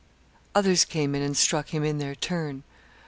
Others came in and struck him in their turn.